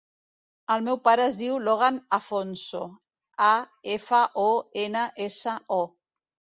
El meu pare es diu Logan Afonso: a, efa, o, ena, essa, o.